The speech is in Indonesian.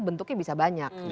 bentuknya bisa banyak